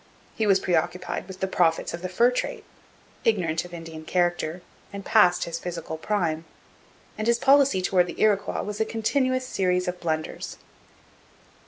He was preoccupied with the profits of the fur trade, ignorant of Indian character, and past his physical prime; and his policy towards the Iroquois was a continuous series of blunders.